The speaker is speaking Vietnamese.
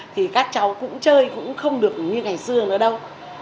thì các cháu cũng chơi cũng không được như ngày xưa nữa đâu